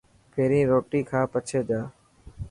پهرين روٽي کا پڇي جا.